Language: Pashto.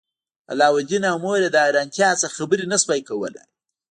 علاوالدین او مور یې له حیرانتیا څخه خبرې نشوای کولی.